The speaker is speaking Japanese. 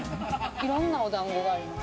いろんなおだんごがあります。